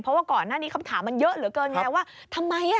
เพราะว่าก่อนหน้านี้คำถามมันเยอะเหลือเกินไงว่าทำไม